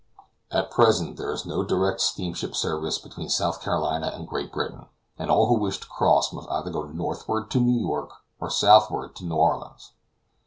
At present there is no direct steamship service between South Carolina and Great Britain, and all who wish to cross must go either northward to New York or southward to New Orleans.